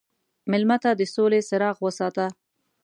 مېلمه ته د سولې څراغ وساته.